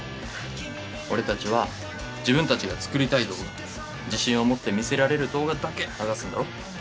俺たちは自分たちが作りたい動画自信を持って見せられる動画だけ流すんだろ？